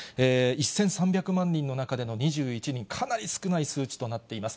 １３００万人の中での２１人、かなり少ない数値となっております。